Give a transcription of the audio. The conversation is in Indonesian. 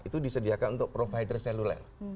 itu disediakan untuk provider seluler